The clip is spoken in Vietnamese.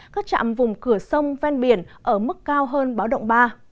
các trạm vùng cửa sông ven biển ở mức cao hơn báo động ba